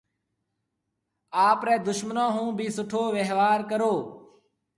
آپرَي دُشمنون هون ڀِي سُٺو ويهوار ڪرو۔